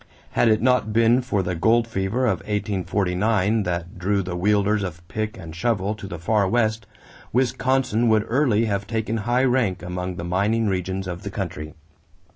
Had it not been for the gold fever of 1849 that drew the wielders of pick and shovel to the Far West, Wisconsin would early have taken high rank among the mining regions of the country.